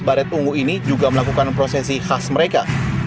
baret ungu ini juga melakukan prosesi khas mereka